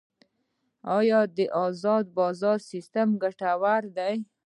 آیا د ازاد بازار سیستم ګټور دی؟